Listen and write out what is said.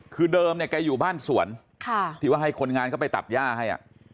คือเดิมเนี่ยแกอยู่บ้านสวนที่ว่าให้คนงานเข้าไปตัดย่าให้